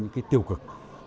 những cái sự kiện về bóng đá